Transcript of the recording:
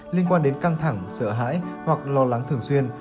liên quan đến căng thẳng sợ hãi hoặc lo lắng thường xuyên